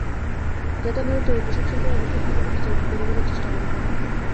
যাতে আমাদের তৈরি পোশাকশিল্পের অবস্থান সম্পর্কে বিস্তারিত তুলে ধরার চেষ্টা করি।